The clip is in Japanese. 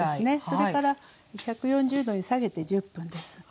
それから１４０℃に下げて１０分です。